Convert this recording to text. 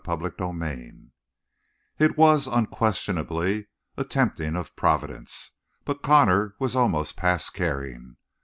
CHAPTER THIRTY FOUR It was, unquestionably, a tempting of Providence, but Connor was almost past caring.